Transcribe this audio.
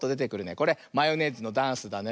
これマヨネーズのダンスだね。